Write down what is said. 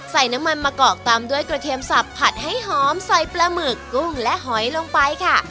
ใส่น้ำมันมะกอกตามด้วยกระเทียมสับผัดให้หอมใส่ปลาหมึกกุ้งและหอยลงไปค่ะ